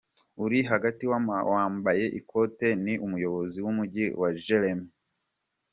Uri hagati wambaye ikote ni Umuyobozi w’Umujyi wa Jeremy.